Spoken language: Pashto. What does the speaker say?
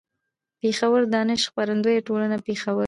پېښور: دانش خپرندويه ټولنه، پېښور